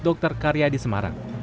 dokter karya di semarang